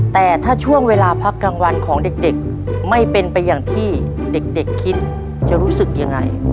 แต่ถ้าช่วงเวลาพักกลางวันของเด็กไม่เป็นไปอย่างที่เด็กคิดจะรู้สึกยังไง